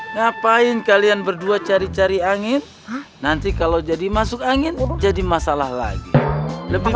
ngapain kalian berdua cari cari angin nanti kalau jadi masuk angin jadi masalah lagi lebih